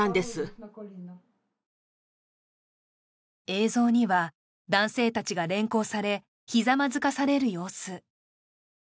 映像には男性たちが連行されひざまずかされる様子